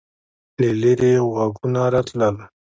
له لیرې غږونه راتلل.